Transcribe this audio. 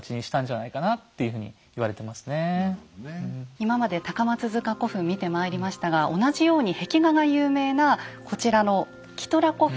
今まで高松塚古墳見てまいりましたが同じように壁画が有名なこちらのキトラ古墳。